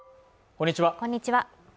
こんにちは